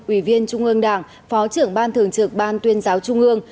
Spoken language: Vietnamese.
ủy viên trung gương đảng phó trưởng ban thường trực ban tuyên giáo trung gương